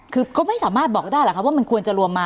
คือก็ไม่สามารถบอกก็ได้หรือครับว่ามันควรจะรวมมา